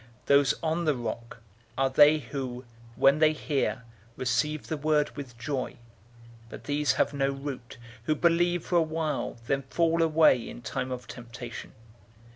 008:013 Those on the rock are they who, when they hear, receive the word with joy; but these have no root, who believe for a while, then fall away in time of temptation.